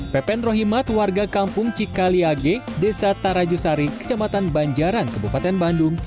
pepen rohimat warga kampung cikaliage desa tarajusari kecamatan banjaran kebupaten bandung